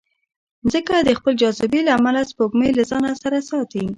مځکه د خپل جاذبې له امله سپوږمۍ له ځانه سره ساتي.